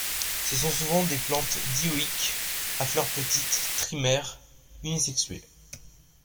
Ce sont souvent des plantes dioïques, à fleurs petites, trimères, unisexuées.